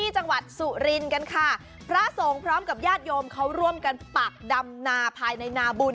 จังหวัดสุรินทร์กันค่ะพระสงฆ์พร้อมกับญาติโยมเขาร่วมกันปักดำนาภายในนาบุญ